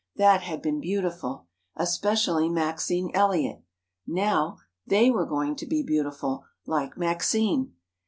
That had been beautiful. Especially Maxine Elliot. Now, they were going to be beautiful, like Maxine.